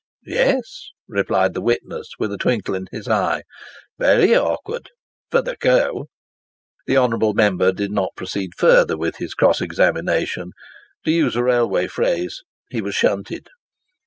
"Yes," replied the witness, with a twinkle in his eye, "very awkward—for the coo!" The honourable member did not proceed further with his cross examination; to use a railway phrase, he was "shunted."